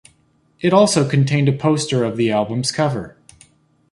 It also contained a poster of the album's cover.